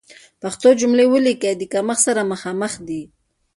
پښتو جملې وليکئ، د کمښت سره مخامخ دي.